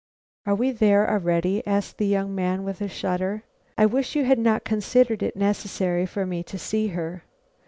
"Are we there already?" asked the young man, with a shudder. "I wish you had not considered it necessary for me to see her.